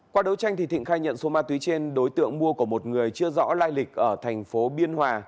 qua đấu tranh thì thịnh khai nhận số ma túy trên đối tượng mua của một người chưa rõ lai lịch ở thành phố biên hòa